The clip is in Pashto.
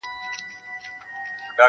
د شاه شجاع د قتلېدلو وطن-